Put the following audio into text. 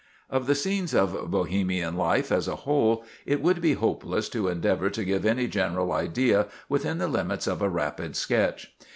Of the "Scenes of Bohemian Life" as a whole, it would be hopeless to endeavor to give any general idea within the limits of a rapid sketch.